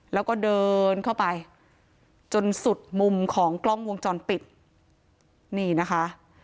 แล้วก็เดินเข้าไปจนสุดมุมของกล้องวงจรปิดนี่นะคะ